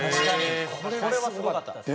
これはすごかったですね。